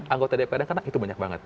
anggota dpr yang kena itu banyak banget